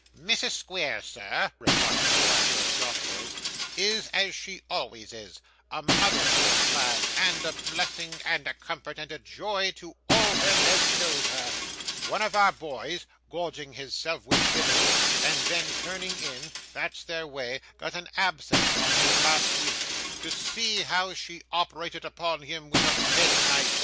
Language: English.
'Mrs. Squeers, sir,' replied the proprietor of Dotheboys, 'is as she always is a mother to them lads, and a blessing, and a comfort, and a joy to all them as knows her. One of our boys gorging his self with vittles, and then turning in; that's their way got a abscess on him last week. To see how she operated upon him with a pen knife!